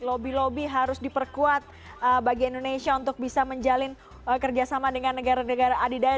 lobby lobby harus diperkuat bagi indonesia untuk bisa menjalin kerjasama dengan negara negara adidaya